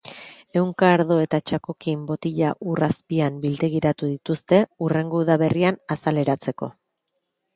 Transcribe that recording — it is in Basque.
Ehunka ardo eta txakokin botila ur azpian biltegiratu dituzte, hurrengo udaberrian azaleratzeko.